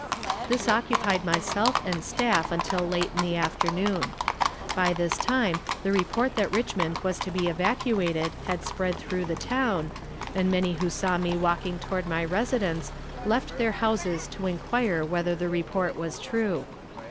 This occupied myself and staff until late in the afternoon. By this time the report that Richmond was to be evacuated had spread through the town, and many who saw me walking toward my residence left their houses to inquire whether the report was true.